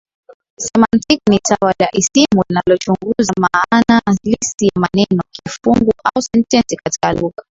Semantiki ni tawi la isimu linalochunguza maana halisia ya maneno, kifungu au sentensi katika lugha.